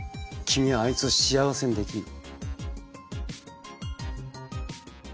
俺の方があいつを幸せにできる。